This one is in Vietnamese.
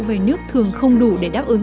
về nước thường không đủ để đáp ứng